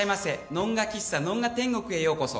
ノンガ喫茶ノンガ天国へようこそ。